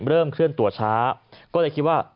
เคลื่อนตัวช้าก็เลยคิดว่า